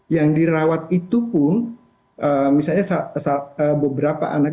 yang dirawat itu pun misalnya beberapa anak